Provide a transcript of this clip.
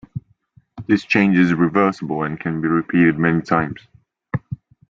This change is reversible and can be repeated many times.